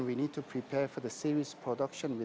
dan kita perlu bersiap untuk produksi serius